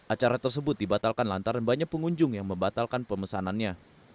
acara tersebut dibatalkan lantaran banyak pengunjung yang membatalkan pemesanannya